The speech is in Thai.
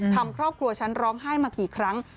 ทำครอบครัวฉันร้องไห้มากี่ครั้ง